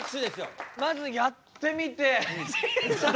まずやってみて。